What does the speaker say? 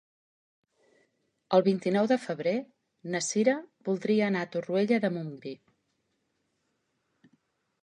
El vint-i-nou de febrer na Cira voldria anar a Torroella de Montgrí.